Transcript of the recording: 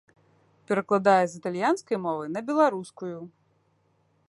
Перакладае з італьянскай мовы на беларускую.